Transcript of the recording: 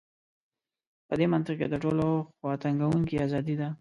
په دې منطق کې تر ټولو خواتنګوونکې ازادي ده.